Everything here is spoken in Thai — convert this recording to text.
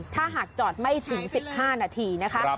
ถ้าหากจอดไม่ถึง๑๕นาทีนะคะ